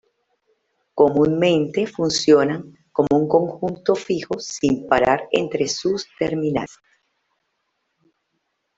Comúnmente funcionan como un conjunto fijo sin parar entre sus terminales.